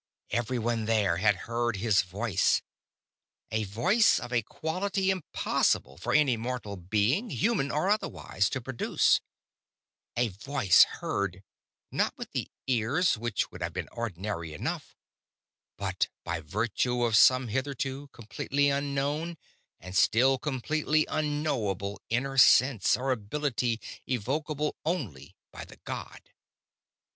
Everyone there had heard his voice; a voice of a quality impossible for any mortal being, human or otherwise, to produce; a voice heard, not with the ears, which would have been ordinary enough, but by virtue of some hitherto completely unknown and still completely unknowable inner sense or ability evocable only by the god.